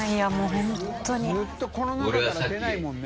困辰この中から出ないもんね。